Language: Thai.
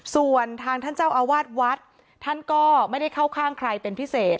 ส่วนทางท่านเจ้าอาวาสวัดท่านก็ไม่ได้เข้าข้างใครเป็นพิเศษ